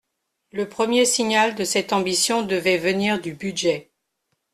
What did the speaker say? Le premier signal de cette ambition devait venir du budget.